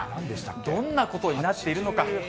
どんなことになっているのか。